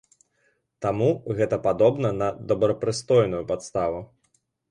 Таму гэта падобна на добрапрыстойную падставу.